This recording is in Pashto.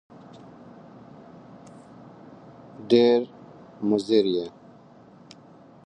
ډېر مضر یې !